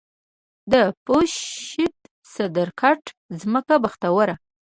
د پشد، صدرګټ ځمکه بختوره